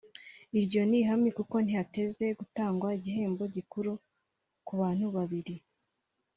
iryo ni ihame kuko ntihateze gutangwa igihembo gikuru ku bantu babiri